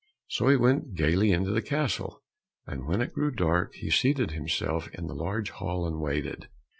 So he went gaily into the castle, and when it grew dark he seated himself in the large hall and waited.